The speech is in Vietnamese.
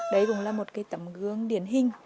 đây cũng là một tấm gương điển hình